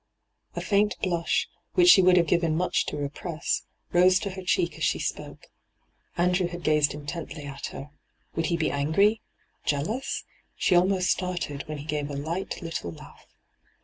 * A faint blush, which she would have given much to repress, rose to her cheek as she spoke. Andrew had gazed intently at her. Would he be angry — jealous ? She almost started when he gave a light Uttle laugh.